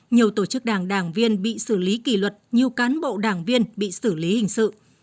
nhiều tổ chức đảng đảng viên bị xử lý kỷ luật nhiều cán bộ đảng viên bị xử lý hình sự